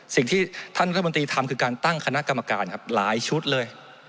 สิ่งที่ท่านรัฐมนตรีทำคือการตั้งคณะกรรมการครับหลายชุดเลย